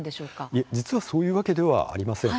いえ、実はそういうわけではありません。